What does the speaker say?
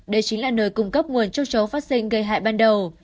đây chính là nơi cung cấp nguồn châu chấu phát sinh gây hại ban đầu